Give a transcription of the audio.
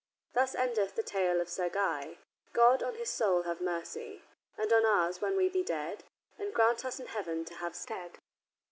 "Thus endeth the tale of Sir Guy: God, on his soul have mercy, And on ours when we be dead, And grant us in heaven to have stead."